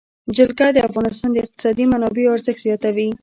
جلګه د افغانستان د اقتصادي منابعو ارزښت زیاتوي.